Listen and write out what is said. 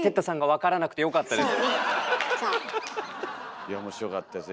いや面白かったですね。